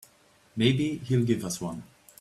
Maybe he'll give us one.